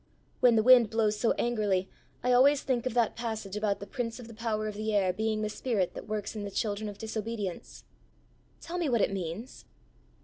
When the wind blows so angrily, I always think of that passage about the prince of the power of the air being the spirit that works in the children of disobedience. Tell me what it means."